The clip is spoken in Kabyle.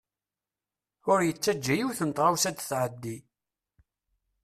Ur yettaǧa yiwet n tɣawsa ad t-tɛeddi.